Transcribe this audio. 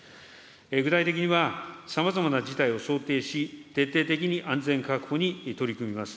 具体的には、さまざまな事態を想定し、徹底的に安全確保に取り組みます。